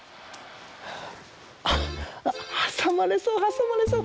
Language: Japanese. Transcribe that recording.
あっはさまれそうはさまれそう。